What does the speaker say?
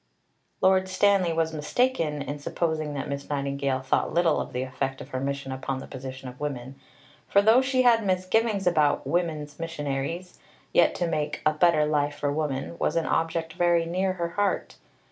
Lord Stanley was mistaken in supposing that Miss Nightingale thought little of the effect of her mission upon the position of women; for, though she had misgivings about "woman's missionaries," yet to make "a better life for woman" was an object very near her heart.